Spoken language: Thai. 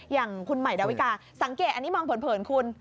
อย่างคุณใหม่ดาวิกาสังเกตอันนี้มองเผินคุณ